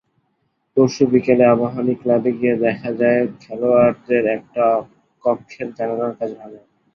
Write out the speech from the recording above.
পরশু বিকেলে আবাহনী ক্লাবে গিয়ে দেখা যায় খেলোয়াড়দের একটা কক্ষের জানালার কাচ ভাঙা।